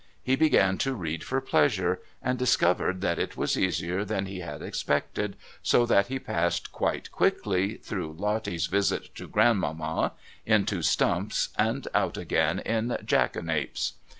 He began to read for pleasure, and discovered that it was easier than he had expected, so that he passed quite quickly through "Lottie's Visit to Grandmama" into "Stumps" and out again in "Jackanapes."